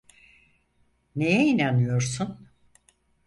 Neye inanıyorsun?